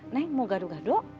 nek mau gaduh gaduh